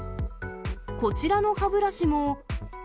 こちらの歯ブラシも。